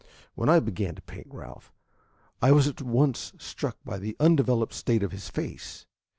"When I began to paint Ralph, I was at once struck by the undeveloped state of his face.